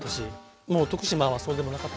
もう徳島はそうでもなかったですか？